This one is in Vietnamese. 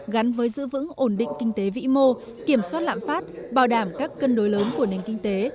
gắn với giữ vững ổn định kinh tế vĩ mô kiểm soát lãm phát bảo đảm các cân đối lớn của nền kinh tế